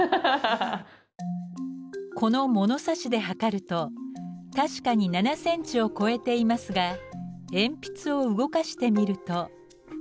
この物差しで測ると確かに７センチを超えていますが鉛筆を動かしてみると。